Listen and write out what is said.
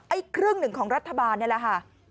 อีกครึ่งหนึ่งของรัฐบาลเนี่ยละครับ